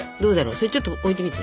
それちょっと置いてみて。